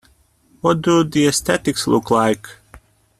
What do the aesthetics look like?